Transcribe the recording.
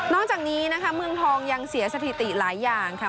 จากนี้นะคะเมืองทองยังเสียสถิติหลายอย่างค่ะ